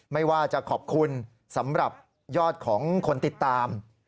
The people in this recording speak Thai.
ไม่ว่าจะขอบคุณสำหรับยอดของคนติดตาม